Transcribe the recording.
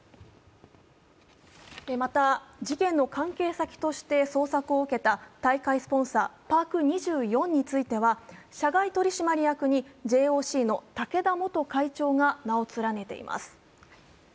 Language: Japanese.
また、事件の関係先として捜索を受けた大会スポンサー、パーク２４については、社外取締役にＪＯＣの竹田元会長が名を連ねています。